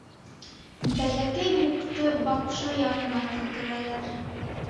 Бәләкәй Мукты батша янына килтерәләр.